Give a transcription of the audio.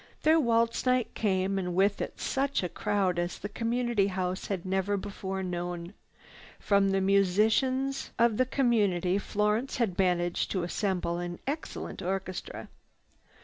Their waltz night came and with it such a crowd as the Community House had never before known. From the musicians of the community Florence had managed to assemble an excellent orchestra.